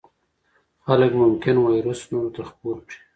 خلک ممکن ویروس نورو ته خپور کړي.